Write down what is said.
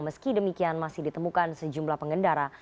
meski demikian masih ditemukan sejumlah pengendara